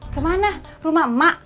kemana rumah emak